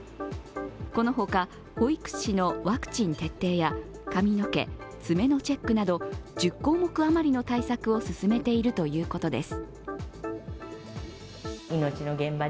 この他、保育士のワクチンの徹底や髪の毛、爪のチェックなど１０項目余りの対策を進めているということです。